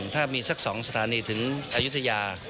ถ้ามีสัก๒สถานีถึงอายุทยา